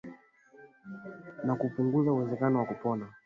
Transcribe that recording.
na kupunguza uwezekano wa kupona